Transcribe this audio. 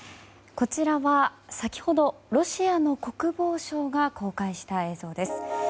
こちらは先ほどロシアの国防省が公開した映像です。